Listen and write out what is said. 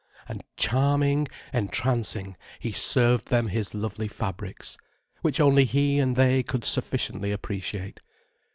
And charming, entrancing, he served them his lovely fabrics, which only he and they could sufficiently appreciate.